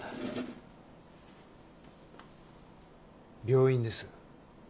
病院です。